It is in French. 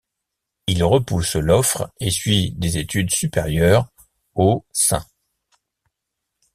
Il repousse l'offre et suit des études supérieures au St.